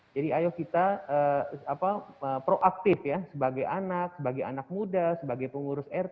jadi ayo kita proaktif ya sebagai anak sebagai anak muda sebagai pengurus rt